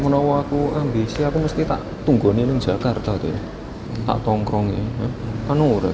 menolakku ambisi aku mesti tak tunggu nih jakarta tuh tak tongkrongnya panur